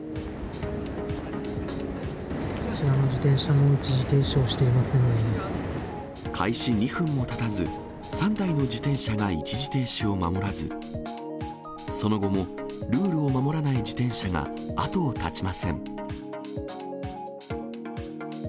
こちらの自転車も一時停止を開始２分もたたず、３台の自転車が一時停止を守らず、その後もルールを守らない自転車が後を絶ちません。